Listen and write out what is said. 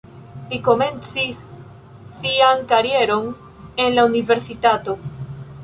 Li komencis sian karieron en la universitato.